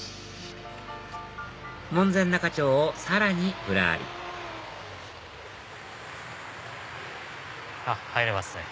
門前仲町をさらにぶらり入れますね